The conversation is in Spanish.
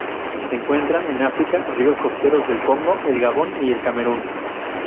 Se encuentran en África: ríos costeros del Congo, el Gabón y el Camerún.